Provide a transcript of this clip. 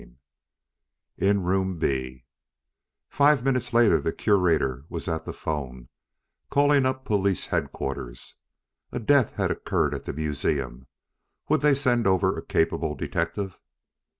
II IN ROOM B Five minutes later the Curator was at the 'phone calling up Police Headquarters. A death had occurred at the museum. Would they send over a capable detective?